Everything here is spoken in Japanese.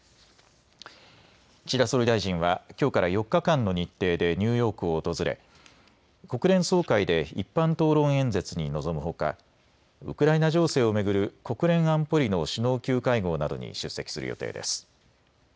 岸田総理大臣はきょうから４日間の日程でニューヨークを訪れ国連総会で一般討論演説に臨むほかウクライナ情勢を巡る国連安保理の首脳級会合などに出席する予定です。